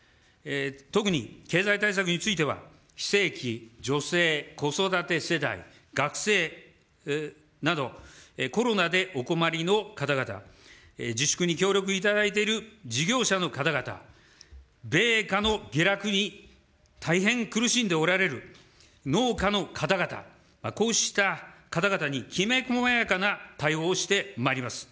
特に経済対策については、非正規、女性、子育て世代、学生など、コロナでお困りの方々、自粛に協力いただいている事業者の方々、米価の下落に大変苦しんでおられる農家の方々、こうした方々にきめ細やかな対応をしてまいります。